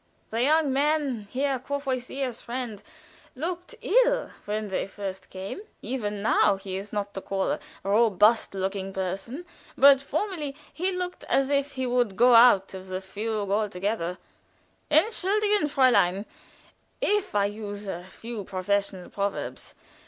The young man, Herr Courvoisier's friend, looked ill when they first came; even now he is not to call a robust looking person but formerly he looked as if he would go out of the fugue altogether. Entschuldigen, Fräulein, if I use a few professional proverbs.